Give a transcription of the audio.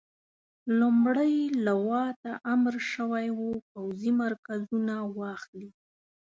لومړۍ لواء ته امر شوی وو پوځي مرکزونه واخلي.